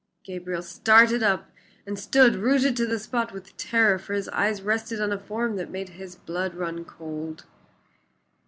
Gabriel started up and stood rooted to the spot with terror, for his eyes rested on a form that made his blood run cold.